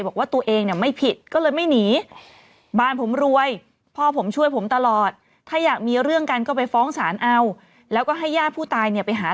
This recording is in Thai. บอกว่าตัวเองเนี่ยไม่ผิดก็เลยไม่หนี